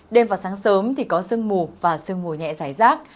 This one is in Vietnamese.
đêm và sáng sớm thì có sương mù và sương mù nhẹ giải rác